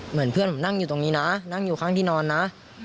เหมือนเพื่อนผมนั่งอยู่ตรงนี้นะนั่งอยู่ข้างที่นอนนะ